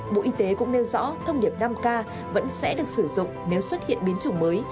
bộ y tế cũng nêu rõ thông điệp năm k vẫn sẽ được sử dụng nếu xuất hiện biến chủng mới